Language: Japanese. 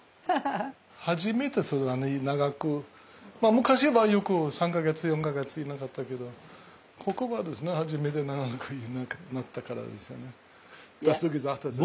昔はよく３か月４か月いなかったけどここはですね初めて長くいなくなったからですよね。